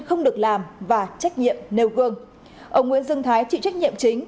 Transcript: không được làm và trách nhiệm nêu gương ông nguyễn dương thái chịu trách nhiệm chính